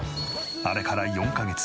あれから４カ月。